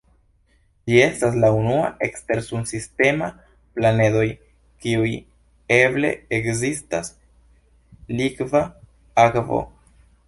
Ĝi estas la unua ekstersunsistema planedoj kiu eble ekzistas likva akvo.